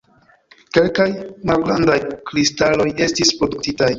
Kelkaj malgrandaj kristaloj estis produktitaj.